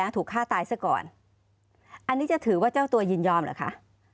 ถูกฆ่าตายซะก่อนอันนี้จะถือว่าเจ้าตัวยินยอมเหรอคะ